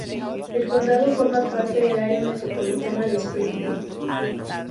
El condado forma parte del área metropolitana de Springfield.